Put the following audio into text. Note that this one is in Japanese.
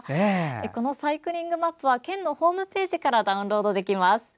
このサイクリングマップは県のホームページからダウンロードできます。